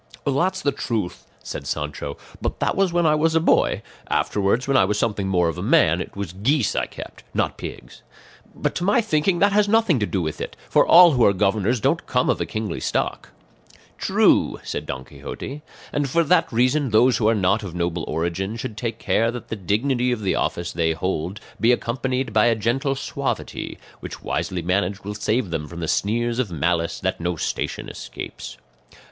"That's the truth," said Sancho; "but that was when I was a boy; afterwards when I was something more of a man it was geese I kept, not pigs. But to my thinking that has nothing to do with it; for all who are governors don't come of a kingly stock." "True," said Don Quixote, "and for that reason those who are not of noble origin should take care that the dignity of the office they hold be accompanied by a gentle suavity, which wisely managed will save them from the sneers of malice that no station escapes.